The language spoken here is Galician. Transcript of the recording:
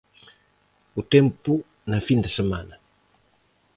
O tempo na fin de semana.